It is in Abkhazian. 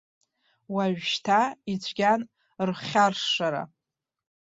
Уажәшьҭа ицәгьан рхьаршшара.